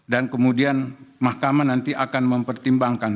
dan kemudian mahkamah nanti akan mempertimbangkan